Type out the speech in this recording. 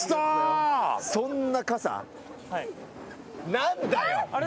何だよ！